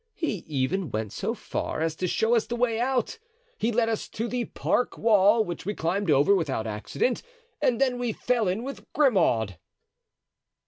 He even went so far as to show us the way out; he led us to the park wall, which we climbed over without accident, and then we fell in with Grimaud."